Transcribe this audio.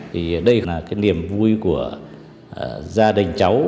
thì đây là cái niềm vui của gia đình cháu